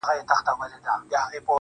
• همدا اوس وايم درته.